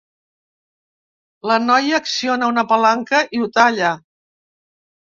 La noia acciona una palanca i ho talla.